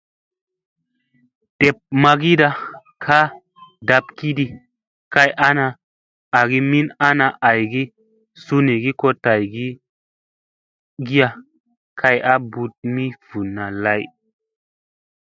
Dep magiiɗa ka ɗab kiɗi kay ana, agi min ana aygi sunuygi ko tay giya kay a ɓuu mi vinna lay aygi.